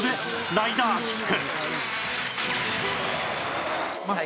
ライダーキック！